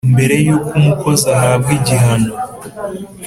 mbere y’uko umukozi ahabwa igihano,